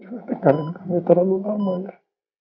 jangan tinggalin kami terlalu lama ya